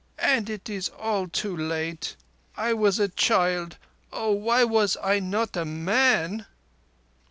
and it is all too late ... I was a child ... Oh, why was I not a man?